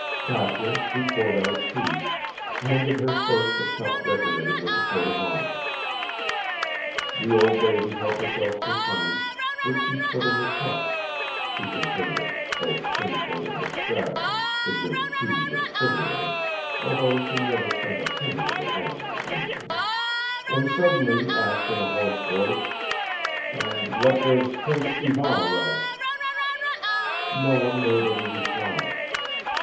Katya, who poured out tea, handed her first a cup decorated with a coat of arms. The old lady helped herself to honey, which she put in her cup (she considered it both sinful and extravagant to drink tea with sugar in it, although she never spent a penny of her own on anything), and suddenly asked in a hoarse voice, "And what does Prince Ivan write?" No one made any reply.